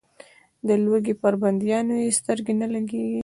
د لوږې پر بندیانو یې سترګې نه لګېږي.